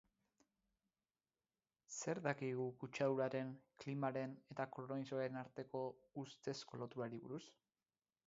Zer dakigu kutsaduraren, klimaren eta koronabirusaren arteko ustezko loturari buruz?